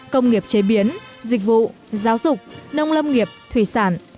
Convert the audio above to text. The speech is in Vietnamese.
công nghiệp chế biến dịch vụ giáo dục nông lâm nghiệp thủy sản